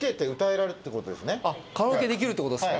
カラオケできるってことですか？